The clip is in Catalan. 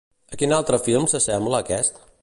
A quin altre film s'assembla aquest?